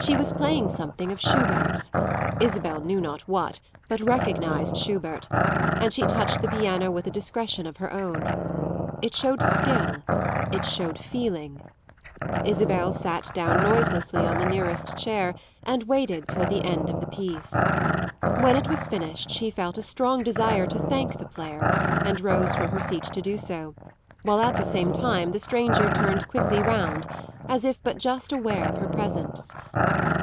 She was playing something of Schubert's Isabel knew not what, but recognised Schubert and she touched the piano with a discretion of her own. It showed skill, it showed feeling; Isabel sat down noiselessly on the nearest chair and waited till the end of the piece. When it was finished she felt a strong desire to thank the player, and rose from her seat to do so, while at the same time the stranger turned quickly round, as if but just aware of her presence.